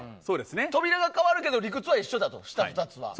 扉が変わるけど理屈は同じだと、下２つは。